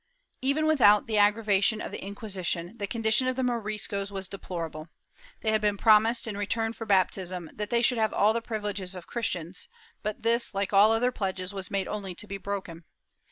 ^ Even without the aggravation of the Inquisition, the condition of the Moriscos was deplorable. They had been promised, in return for baptism, that they should have. all the privileges of Christians, but this, like all other pledges, was made only to be broken.